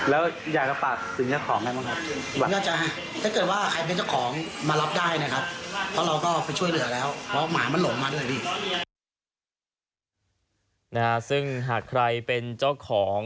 แล้วเราเข้าไปใกล้มันก็เข้ามาหาเราอีก